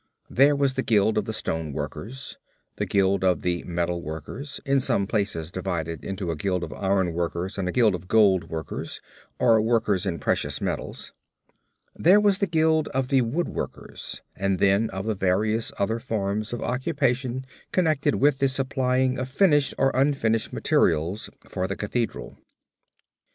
There was the guild of the stone workers; the guild of the metal workers in some places divided into a guild of iron workers and a guild of gold workers, or workers in precious metals; there was the guild of the wood workers and then of the various other forms of occupation connected with the supplying of finished or unfinished materials for the cathedral.